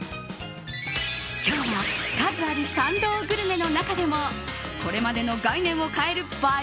今日は数ある参道グルメの中でもこれまでの概念を変える映え